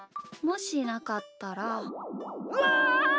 もしなかったら。わ！